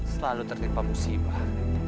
selalu tertimpa musibah